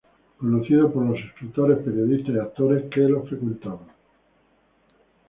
Conocido por los escritores, periodistas y actores que lo frecuentaban.